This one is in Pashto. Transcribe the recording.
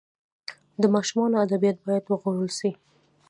د ماشومانو ادبیات باید وغوړول سي.